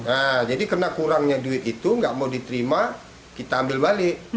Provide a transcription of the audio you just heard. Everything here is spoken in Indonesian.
nah jadi karena kurangnya duit itu nggak mau diterima kita ambil balik